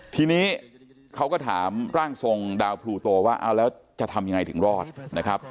ทีนี้เขาก็ถามร่างทรงดาวพลูโตว่าเอาแล้วจะทำยังไงถึงรอดนะครับ